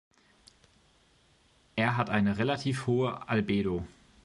Er hat eine relativ hohe Albedo.